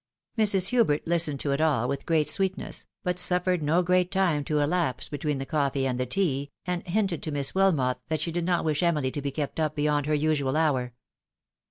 Mrs. Hubert listened to it all with great sweetness, but suf fered no great time to elapse between the coffee and the tea, and hinted to Miss Wilmot that she did not wish Emily to be kept up beyond her usual hour.